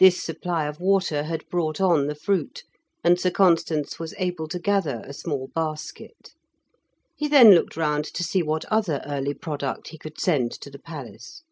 This supply of water had brought on the fruit, and Sir Constans was able to gather a small basket. He then looked round to see what other early product he could send to the palace.